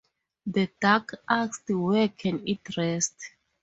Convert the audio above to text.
The Duck asked where can it rest?